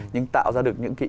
nhưng tạo ra được những cái